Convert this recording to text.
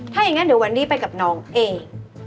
ถ้าอย่างนั้นเดี๋ยววันนี้ไปกับน้องเอง